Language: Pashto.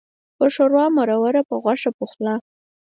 په ښوروا مروره، په غوښه پخلا.